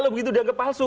itu begitu dianggap palsu